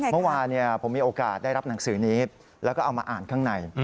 เมื่อวานผมมีโอกาสได้รับหนังสือนี้แล้วก็เอามาอ่านข้างใน